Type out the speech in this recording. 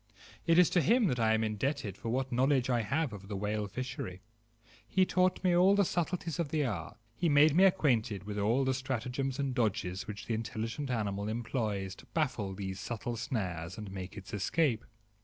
It is to him that I am indebted for what knowledge I have of the whale fishery. He taught me all the subtleties of the art; he made me acquainted with all the stratagems and dodges which the intelligent animal employs to baffle these subtle snares and make its escape.